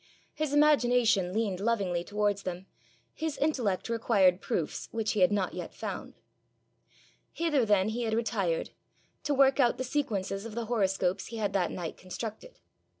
His imagination leaned lovingly towards them; his intellect required proofs which he had not yet found. Hither then he had retired to work out the sequences of the horoscopes he had that night constructed.